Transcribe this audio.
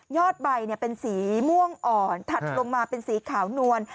ใบเป็นสีม่วงอ่อนถัดลงมาเป็นสีขาวนวล